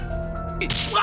eh jadi mati ya